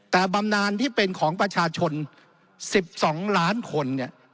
แต่บำนานที่เป็นของประชาชน๑๒ล้านคนเนี่ย